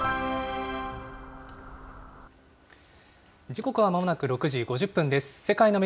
時刻はまもなく６時５０分です。